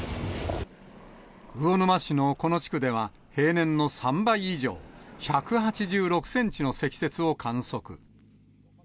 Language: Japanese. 魚沼市のこの地区では、平年の３倍以上、１８６センチの積雪を観測。